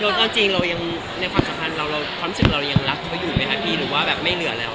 เออตามจริงเรายังในความสำคัญขนสินเรายังรักไปอยู่ไหนแคระพี่หรือว่าแบบไม่เหลือแล้ว